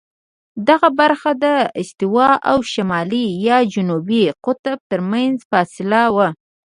دغه برخه د استوا او شمالي یا جنوبي قطب ترمنځ فاصله وه.